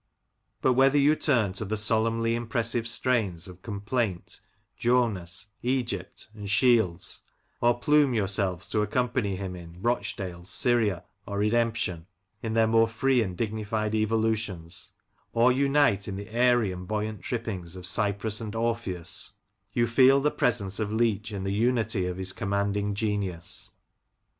But, whether you turn to the solemnly impressive strains of 'Complaint,' 'Joannas/ 'Egypt,* and 'Shields*; or plume yourselves to accompany him in 'Rochdale,* *S3nia,* or ' Redemption,' in their more free and dignified evolutions ; or unite in the airy and buoyant trippings of ' Cyprus * and ' Orpheus,* you feel the presence of Leach in the unity of his commanding genius.